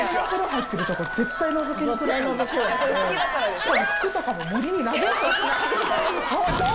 しかも服とかも森に投げると思う。